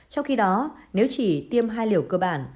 trong khi đó nếu chỉ tiêm hai liều cơ bản